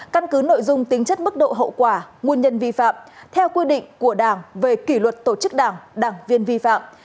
căn cứ nội dung tính chất mức độ hậu quả nguồn nhân vi phạm theo quy định của đảng về kỷ luật tổ chức đảng đảng viên vi phạm